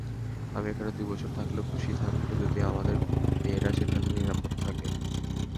আমি এখানে দুই বছর থাকলেও খুশী থাকব, যদি আমাদের মেয়েরা সেখানে নিরাপদে থাকে।